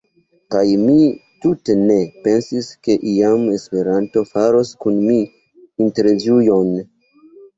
Kaj mi tute ne pensis ke iam Esperanto faros kun mi intervjuon.